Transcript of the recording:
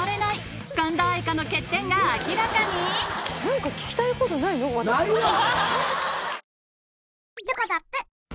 何か聞きたいことないの？ないわ！